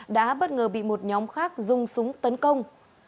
đã bất ngờ bị một nhóm khác dùng súng tấn công